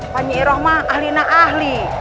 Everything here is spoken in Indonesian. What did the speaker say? pani irohma ahli nah ahli